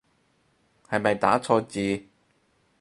係咪打錯字